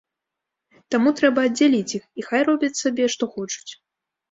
Таму трэба аддзяліць іх, і хай робяць сабе, што хочуць.